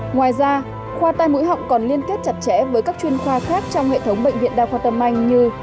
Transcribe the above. ngoài ra khoa tai mũi họng còn liên kết chặt chẽ với các chuyên khoa khác trong hệ thống bệnh viện đa khoa tâm anh như